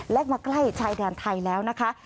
และมาใกล้ชายแดนไทยแล้วนะคะ